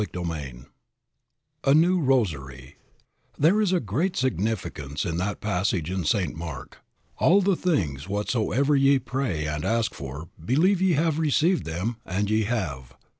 CHAPTER V A NEW ROSARY There is a great significance in that passage in St. Mark: "All the things whatsoever ye pray and ask for believe ye have received them and ye have."